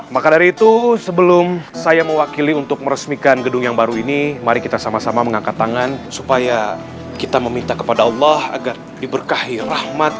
maka dari itu sebelum saya mewakili untuk meresmikan gedung yang baru ini mari kita sama sama mengangkat tangan supaya kita meminta kepada allah agar diberkahi rahmat